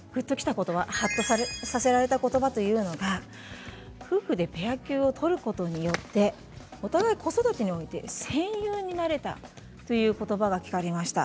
ことばはっとさせられたことばというのが夫婦でペア休を取ることによってお互い子育てにおいて戦友になれたということなんです。